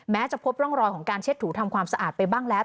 จะพบร่องรอยของการเช็ดถูทำความสะอาดไปบ้างแล้ว